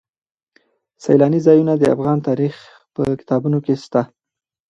سیلاني ځایونه د افغان تاریخ په کتابونو کې شته.